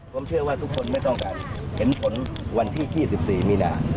ผมเชื่อว่าทุกคนไม่ต้องการเห็นผลวันที่๒๔มีนา